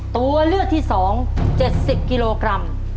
ตัวเลือกที่๒๗๐กิโลกรัม